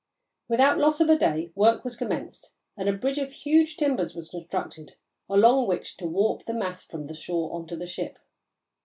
Without loss of a day, work was commenced and a bridge of huge timbers was constructed along which to warp the mass from the shore on to the ship.